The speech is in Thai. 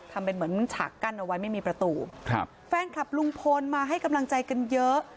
ทำเป็นเหมือนฉากกั้นเอาไว้ไม่มีประตูครับแฟนคลับลุงพลมาให้กำลังใจกันเยอะ